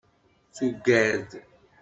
Tugad.